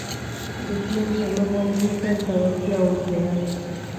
دښمن ته مه غوږ نیسه، زړورتیا وښیه